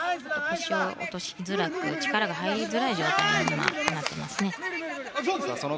腰を落としづらく力が入りづらい状態ですね。